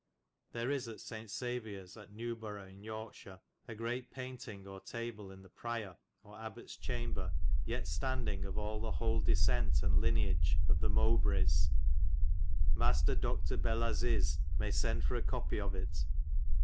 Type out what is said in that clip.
There is at Seint Salviors at Newborow in Yorkeshire a great paintynge or table in the prior or abbats chambar yet stondinge of all the whole desente and linage of the Moubrays. Mastar Dr. Bellaziz * may send for a copy of it.